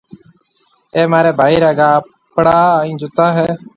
اَي مهارَي ڀائِي را ڪپڙا هانَ جُتا هيَ۔